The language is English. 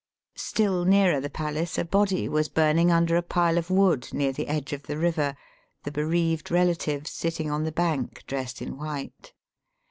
StiU nearer the palace a body was burning under a pile of wood, by the edge of the river, the bereaved relatives sitting on the bank dressed in white.